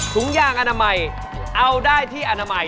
ถุงยางอนามัยเอาได้ที่อนามัย